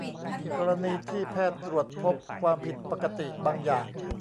กรณีที่แพทย์ตรวจพบความผิดปกติบางอย่าง